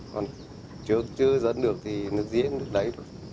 còn trước chưa dẫn được thì nước diễn được đấy thôi